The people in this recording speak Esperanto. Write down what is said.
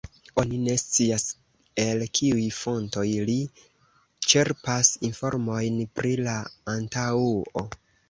Oni ne scias el kiuj fontoj li ĉerpas informojn pri la antaŭo.